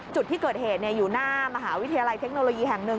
จุดที่เกิดเหตุอยู่หน้ามหาวิทยาลัยเทคโนโลยีแห่งหนึ่ง